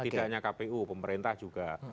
tidak hanya kpu pemerintah juga